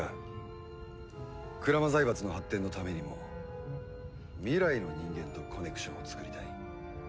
鞍馬財閥の発展のためにも未来の人間とコネクションを作りたい。